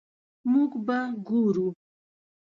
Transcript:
مونږ به ګورو